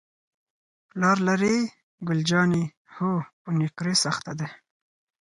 پلار لرې؟ ګل جانې: هو، په نقرس اخته دی.